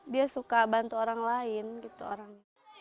dia suka bantu orang lain gitu orangnya